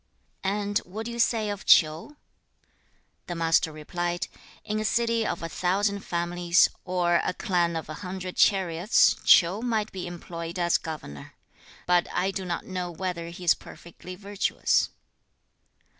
3. 'And what do you say of Ch'iu?' The Master replied, 'In a city of a thousand families, or a clan of a hundred chariots, Ch'iu might be employed as governor, but I do not know whether he is perfectly virtuous.'